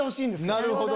なるほどね。